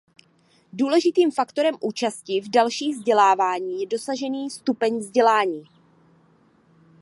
Důležitým faktorem účasti v dalším vzdělávání je dosažený stupeň vzdělání.